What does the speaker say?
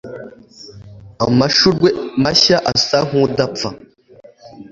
Amashurwe mashya asa nkudapfa